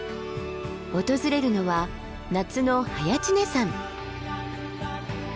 訪れるのは夏の早池峰山。